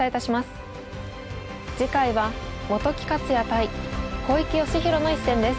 次回は本木克弥対小池芳弘の一戦です。